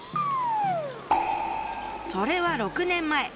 それは６年前。